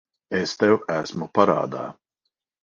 Es tev esmu parādā.